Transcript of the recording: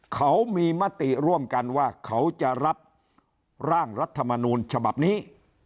เขามีมติร่วมกันว่าเขาจะรับร่างรัฐมนูลฉบับนี้